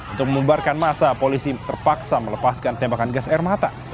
untuk memubarkan masa polisi terpaksa melepaskan tembakan gas air mata